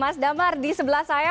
mas damar di sebelah saya